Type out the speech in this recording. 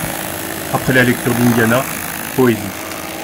Après la lecture d'Indiana, poésie.